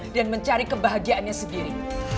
dan mencari kebahagiaannya sendiri